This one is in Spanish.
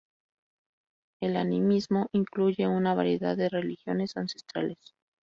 El animismo incluye una variedad de religiones ancestrales.